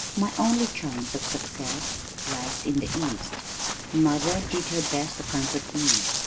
My only chance of success lies in the east." Mother did her best to comfort me.